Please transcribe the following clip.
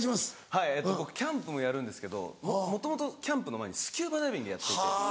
はいえっと僕キャンプもやるんですけどもともとキャンプの前にスキューバダイビングやってて。